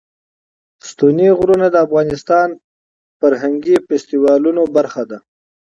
ستوني غرونه د افغانستان د فرهنګي فستیوالونو برخه ده.